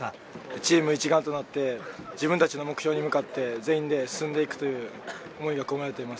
チーム一丸となって自分たちの目標に向かって全員で進んでいくという思いが込められています。